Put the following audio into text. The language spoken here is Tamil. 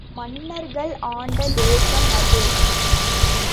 மன்னர்கள் ஆண்ட தேசம் அது.